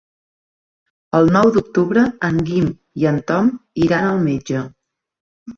El nou d'octubre en Guim i en Tom iran al metge.